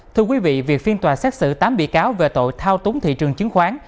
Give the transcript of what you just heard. thưa quý vị việc phiên tòa xét xử tám bị cáo về tội thao túng thị trường chứng khoán